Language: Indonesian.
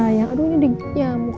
sayang aduh ini digigit nyamuk